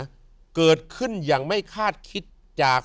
เงินยังไม่คาดคิดจาก